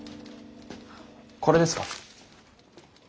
これですか？